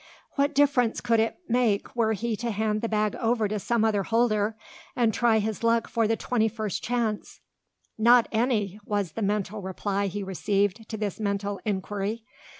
What difference could it make were he to hand the bag over to some other holder, and try his luck for the twenty first chance? "Not any!" was the mental reply he received to this mental inquiry.